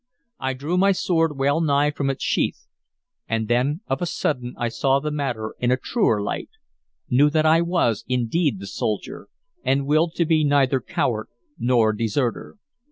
I drew my sword well nigh from its sheath; and then of a sudden I saw the matter in a truer light; knew that I was indeed the soldier, and willed to be neither coward nor deserter.